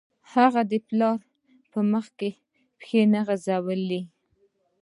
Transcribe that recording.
هغه د پلار په مخکې پښې نه غځولې